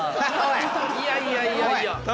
いやいやいやいや。